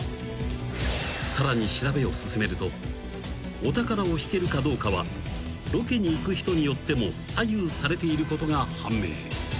［さらに調べを進めるとお宝を引けるかどうかはロケに行く人によっても左右されていることが判明］